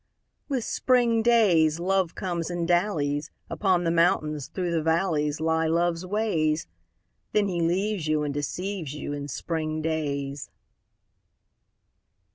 With spring days Love comes and dallies: Upon the mountains, through the valleys Lie Love's ways. Then he leaves you and deceives you In spring days.